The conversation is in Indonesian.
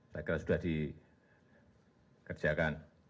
saya kira sudah dikerjakan